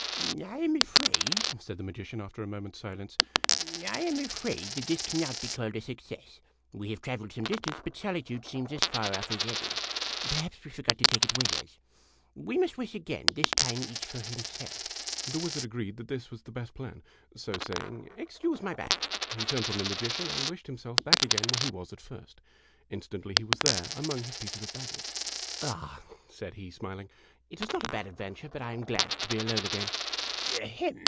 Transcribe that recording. " I am afraid," said the magician, after a moment's silence, " I am *_> afraid that this cannot be called a success. We have traveled some dis tance, but solitude seems as far off as ever. Perhaps we forgot to take it with us. We must wish again ; this time, each for himself! " The wiz ard agreed that this was the best plan. So, saying, " Excuse my back," 40 IMAGINOTIONS he turned from the magician and wished himself back apfain where he o o was at first. Instantly he was there, among his pieces of baggage. "Ah," said he, smiling, "it was not a bad adventure, but I am glad to be alone again